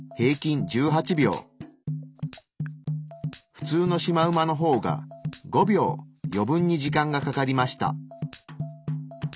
普通のシマウマの方が５秒余分に時間がかかりました。